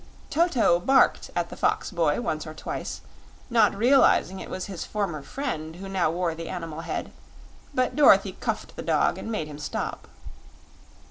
Toto barked at the fox boy once or twice, not realizing it was his former friend who now wore the animal head; but Dorothy cuffed the dog and made him stop.